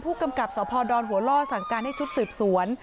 ผู้กำกับสพดหัวล่อสั่งการให้ชุดสืบสวน